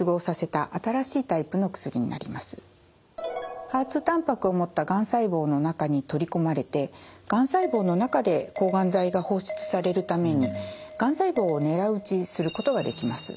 ２たんぱくを持ったがん細胞の中に取り込まれてがん細胞の中で抗がん剤が放出されるためにがん細胞を狙い撃ちすることができます。